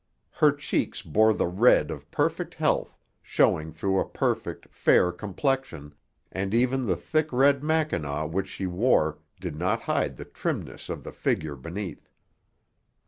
Her cheeks bore the red of perfect health showing through a perfect, fair complexion, and even the thick red mackinaw which she wore did not hide the trimness of the figure beneath.